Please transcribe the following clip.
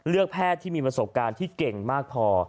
แพทย์ที่มีประสบการณ์ที่เก่งมากพอ